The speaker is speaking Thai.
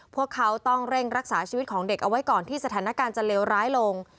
พวกเขาต้องเร่งรักษาชีวิตของเด็กเอาไว้ก่อนที่สถานการณ์จะเลวร้ายลง